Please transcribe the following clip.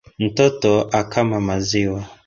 Ntoto akama maziwa